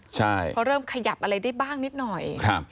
เพราะเริ่มขยับอะไรได้บ้างนิดหน่อย